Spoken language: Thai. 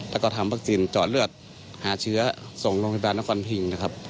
แล้วก็ทำวัคซีนจอดเลือดหาเชื้อส่งโรงพยาบาลนครพิงนะครับ